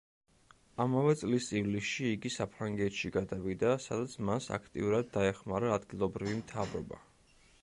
ამავე წლის ივლისში იგი საფრანგეთში გადავიდა, სადაც მას აქტიურად დაეხმარა ადგილობრივი მთავრობა.